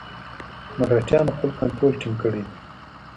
مرهټیانو خپل کنټرول ټینګ کړی دی.